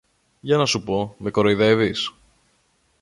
Για να σου πω, με κοροϊδεύεις;